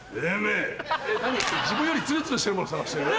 自分よりツルツルしてるもの探してる？